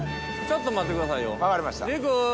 ちょっと待ってくださいよ里玖！